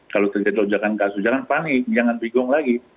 kalau terjadi lonjakan kasus jangan panik jangan bingung lagi